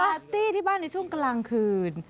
ปาร์ตี้ที่บ้านในช่วงกลางคืน